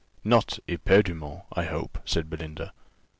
"Not éperdument, I hope," said Belinda.